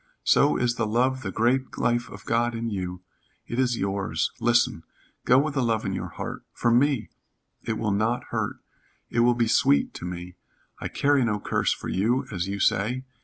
So is the love the great life of God in you. It is yours. Listen. Go with the love in your heart for me, it will not hurt. It will be sweet to me. I carry no curse for you, as you say.